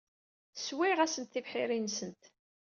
Sswayeɣ-asent tibḥirt-nsent.